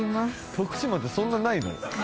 徳島ってそんなないの？